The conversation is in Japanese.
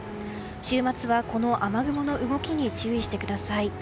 週末はこの雨雲の動きに注意してください。